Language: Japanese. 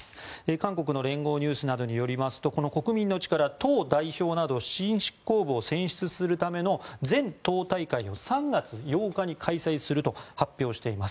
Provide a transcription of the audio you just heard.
韓国の連合ニュースなどによりますと、この国民の力党代表など新執行部を選出するための全党大会を３月８日に開催すると発表しています。